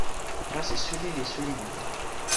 kasi suli li suli mute.